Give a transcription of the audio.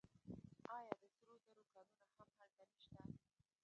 آیا د سرو زرو کانونه هم هلته نشته؟